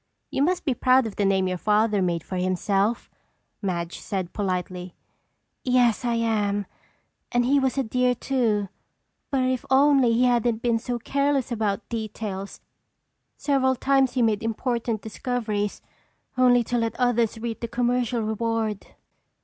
"You must be proud of the name your father made for himself," Madge said politely. "Yes, I am, and he was a dear, too. But if only he hadn't been so careless about details! Several times he made important discoveries, only to let others reap the commercial reward.